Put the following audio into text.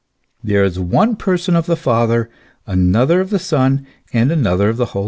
" There is one person of the Father, another of the Son, and another of the Holy Ghost.